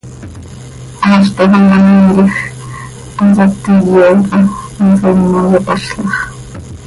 Haaztoj hamcanoiin quij hanso cötíyoca, hanso himo xopazlax.